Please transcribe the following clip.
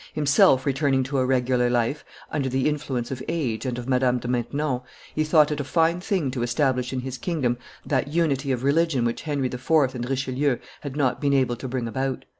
Himself returning to a regular life, under the influence of age and of Madame de Maintenon, he thought it a fine thing to establish in his kingdom that unity of religion which Henry IV. and Richelieu had not been able to bring about.